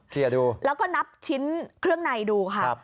ดูแล้วก็นับชิ้นเครื่องในดูค่ะ